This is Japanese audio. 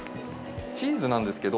チーズなんですけど。